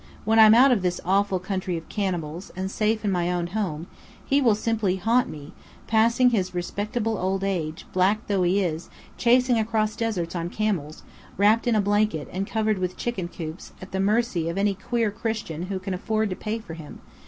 When I'm out of this awful country of cannibals, and safe in my own home, he will simply haunt me, passing his respectable old age, black though he is, chasing across deserts on camels, wrapped in a blanket and covered with chicken coops, at the mercy of any queer Christian who can afford to pay for him.